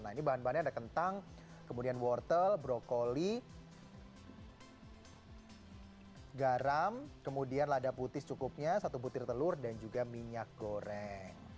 nah ini bahan bahannya ada kentang kemudian wortel brokoli garam kemudian lada putih secukupnya satu butir telur dan juga minyak goreng